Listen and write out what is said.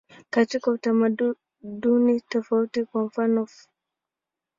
Katika utamaduni tofauti, kwa mfanof.